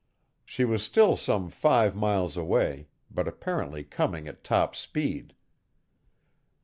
She was still some five miles away, but apparently coming at top speed.